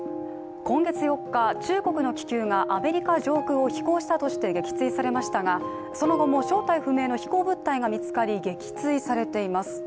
今月４日、中国の気球がアメリカ上空を飛行したとして撃墜されましたが、その後も正体不明の飛行物体が見つかり、撃墜されています。